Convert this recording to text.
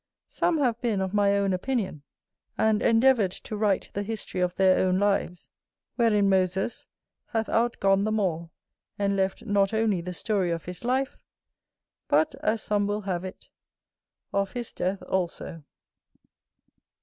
Some have been of my own opinion, and endeavoured to write the history of their own lives; wherein Moses hath outgone them all, and left not only the story of his life, but, as some will have it, of his death also.